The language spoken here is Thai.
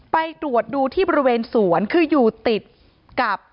ไปตรวจดูที่บริเวณสวนคืออยู่ติดกับ